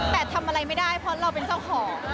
แต่ทำอะไรไม่ได้เพราะเราเป็นเจ้าของ